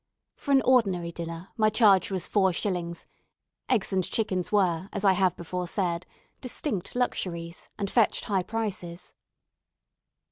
For an ordinary dinner my charge was four shillings; eggs and chickens were, as I have before said, distinct luxuries, and fetched high prices.